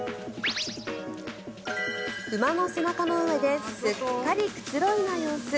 馬の背中の上ですっかりくつろいだ様子。